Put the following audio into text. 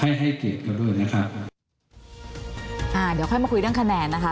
ให้ให้เกียรติเขาด้วยนะครับอ่าเดี๋ยวค่อยมาคุยเรื่องคะแนนนะคะ